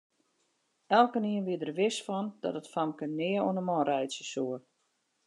Elkenien wie der wis fan dat dat famke nea oan 'e man reitsje soe.